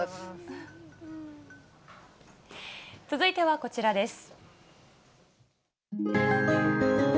続いてはこちらです。